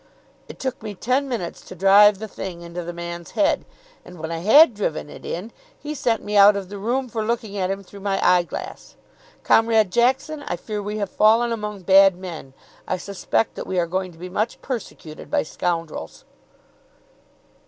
It took me ten minutes to drive the thing into the man's head; and when I had driven it in, he sent me out of the room for looking at him through my eye glass. Comrade Jackson, I fear me we have fallen among bad men. I suspect that we are going to be much persecuted by scoundrels."